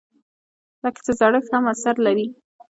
لکه چې زړښت هم اثر لري.